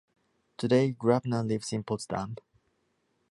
Today Grabner lives in Potsdam.